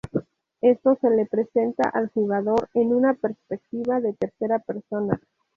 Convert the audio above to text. Esto se le presenta al jugador en una perspectiva de tercera persona.